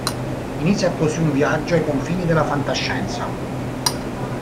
Inizia così un viaggio ai confini della fantascienza.